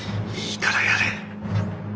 いいからやれ。